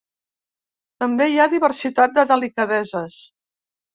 També hi ha diversitat de delicadeses.